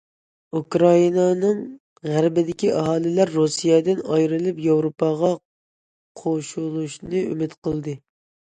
ئۇكرائىنانىڭ غەربىدىكى ئاھالىلەر رۇسىيەدىن ئايرىلىپ ياۋروپاغا قوشۇلۇشنى ئۈمىد قىلدى.